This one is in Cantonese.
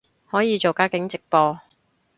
可以做街景直播